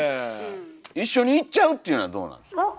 一緒に行っちゃうっていうのはどうなんですか？